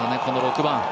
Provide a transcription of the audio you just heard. この６番。